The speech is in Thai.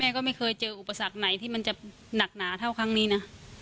ก็ไม่เคยเจออุปสรรคไหนที่มันจะหนักหนาเท่าครั้งนี้นะ